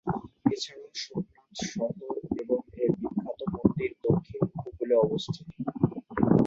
এছাড়াও সোমনাথ শহর এবং এর বিখ্যাত মন্দির দক্ষিণ উপকূলে অবস্থিত।